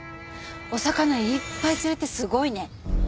お魚いっぱい釣れてすごいね。